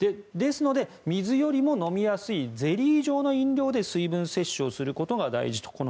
ですので水よりも飲みやすいゼリー状の飲料で水分摂取することが大事だと。